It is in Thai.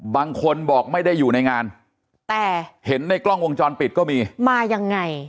บางคนบอกไม่ได้อยู่ในงานแต่เห็นในกล้องวงจรปิดก็มีมายังไง